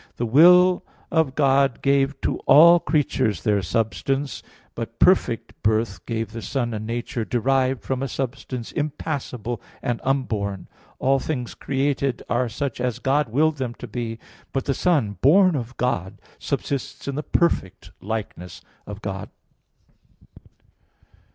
"The will of God gave to all creatures their substance: but perfect birth gave the Son a nature derived from a substance impassible and unborn. All things created are such as God willed them to be; but the Son, born of God, subsists in the perfect likeness of God."